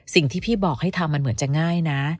สิ่งที่พี่บอกให้ทำมันเหมือนจะง่ายนะ